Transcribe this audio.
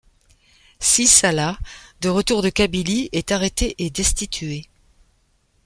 Si Salah, de retour de Kabylie est arrêté et destitué.